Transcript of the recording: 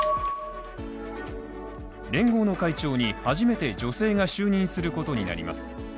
連合の会長に初めて女性が就任することになります。